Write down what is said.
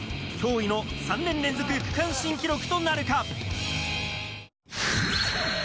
驚異の３年連続区間新記録となるか？